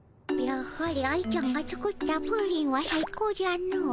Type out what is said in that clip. やはり愛ちゃんが作ったプリンはさい高じゃの。